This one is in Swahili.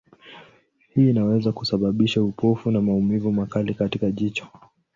Hii inaweza kusababisha upofu na maumivu makali katika jicho.